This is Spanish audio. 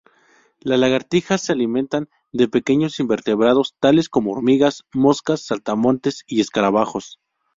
La lagartija se alimenta de pequeños invertebrados tales como hormigas, moscas, saltamontes y escarabajos.